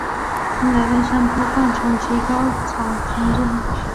生长在山坡灌丛及高草丛中。